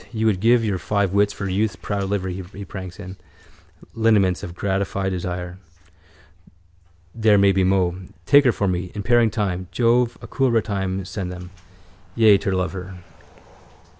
You would give your five wits for youth's proud livery he pranks in. Lineaments of gratified desire. There be many mo. Take her for me. In pairing time. Jove, a cool ruttime send them. Yea, turtledove her.